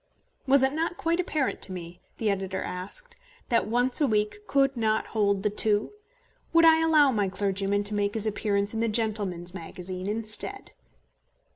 Was it not quite apparent to me, the editor asked, that Once a Week could not hold the two? Would I allow my clergyman to make his appearance in the Gentleman's Magazine instead?